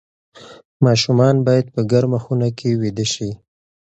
ماشومان باید په ګرمه خونه کې ویده شي.